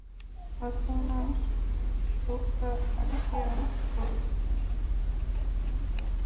বর্তমান মূসক আইনটি অনেক পুরোনো, তাই নতুন আইন বাস্তবায়ন করা হবে।